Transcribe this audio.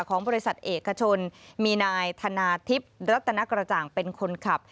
ของบริษัทเอกชนมีนายธนาทิพย์รัตนกระจ่างเป็นคนขับ